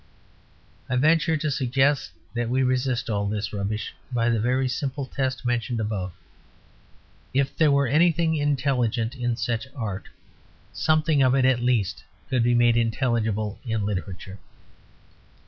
I venture to suggest that we resist all this rubbish by the very simple test mentioned above. If there were anything intelligent in such art, something of it at least could be made intelligible in literature.